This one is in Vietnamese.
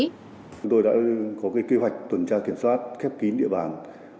chúng tôi đã có kế hoạch tuần tra kiểm soát khép kín địa bàn